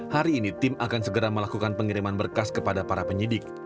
hari ini tim akan segera melakukan pengiriman berkas kepada para penyidik